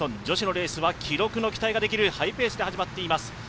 女子のレースは記録の期待ができるハイペースで始まっています。